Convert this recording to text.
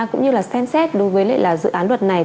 cũng như là stand set đối với dự án luật này